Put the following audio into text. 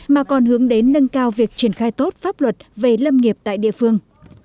mà còn hướng đến nâng cao việc triển khai tốt pháp luật về lâm nghiệp tại địa phương